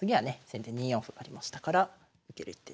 先手２四歩ありましたから受ける一手ですね。